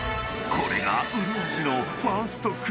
［これが］